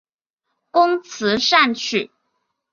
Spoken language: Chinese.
工词善曲。